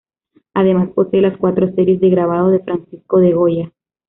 Además posee las cuatro series de grabados de Francisco de Goya.